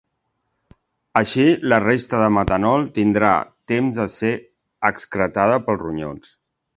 Així, la resta de metanol tindrà temps de ser excretada pels ronyons.